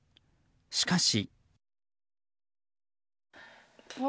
しかし。